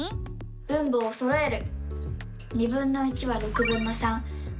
分母をそろえる！